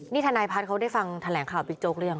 นี่ฐานายภัทรเขาได้ฟังแถนแหลงข่าวบิ๊กโจ๊กเรียง